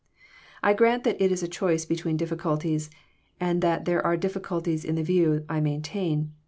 I grant that it is a choice between difficulties, and that there are difficulties in the view I maintain.